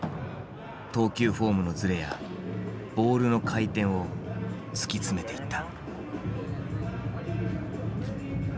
投球フォームのずれやボールの回転を突き詰めていった。